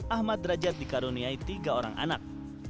ahmad derajat dikaruniai tiga orang anak